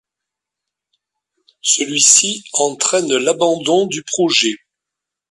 Celui-ci entraîne l'abandon du projet.